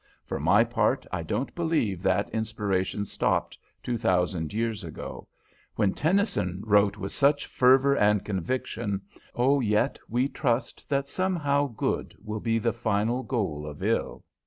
For my part I don't believe that inspiration stopped two thousand years ago. When Tennyson wrote with such fervour and conviction, 'Oh, yet we trust that somehow good Will be the final goal of ill.'